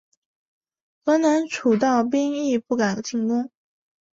河南诸道兵亦不敢进攻。